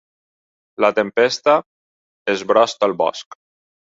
La tempesta esbrosta el bosc.